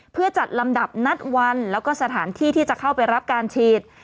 เพื่อจัดลำดับนัดวันแล้วก็สถานที่ที่จะเข้าไปรับการฉีด